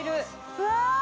うわ！